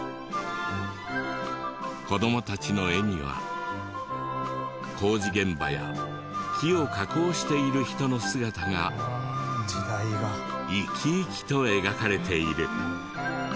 子どもたちの絵には工事現場や木を加工している人の姿が生き生きと描かれている。